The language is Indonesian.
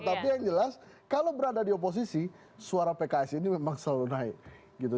tapi yang jelas kalau berada di oposisi suara pks ini memang selalu naik gitu